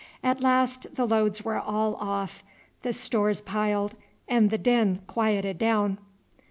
At last the loads were all off, the stores piled, and the din quieted down.